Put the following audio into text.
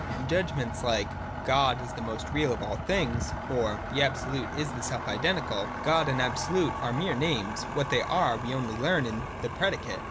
In judgments like ' God is the most real of all things,' or ' The Absolute is the self identical,' God and the Absolute are mere names ; what they are we only learn in the predicate.